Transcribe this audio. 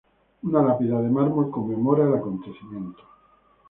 Una lápida de mármol conmemora el acontecimiento.